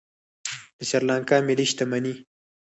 د سریلانکا ملي شتمني